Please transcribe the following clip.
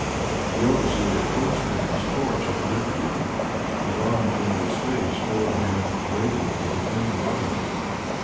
The overseer approached him with his torch uplifted. Ivan turned his face toward him radiant with an inner light.